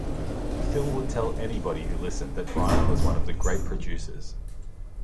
Phil would tell anybody who listened that Brian was one of the great producers.